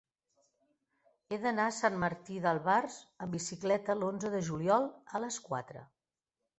He d'anar a Sant Martí d'Albars amb bicicleta l'onze de juliol a les quatre.